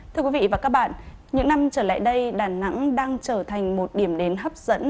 thưa quý vị và các bạn những năm trở lại đây đà nẵng đang trở thành một điểm đến hấp dẫn